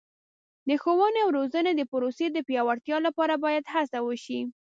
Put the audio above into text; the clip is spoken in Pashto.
د ښوونې او روزنې د پروسې د پیاوړتیا لپاره باید هڅه وشي.